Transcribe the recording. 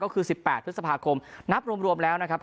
ก็คือ๑๘พฤษภาคมนับรวมแล้วนะครับ